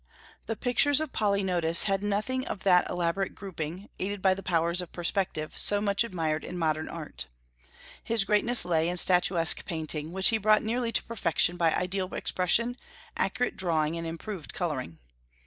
The pictures of Polygnotus had nothing of that elaborate grouping, aided by the powers of perspective, so much admired in modern art. His greatness lay in statuesque painting, which he brought nearly to perfection by ideal expression, accurate drawing, and improved coloring.